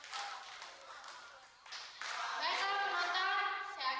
nyong ini ada perlu sama sampean